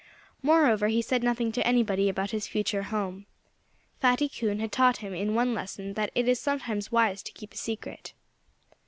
Moreover he said nothing to anybody about his future home. Fatty Coon had taught him in one lesson that it is sometimes wise to keep a secret.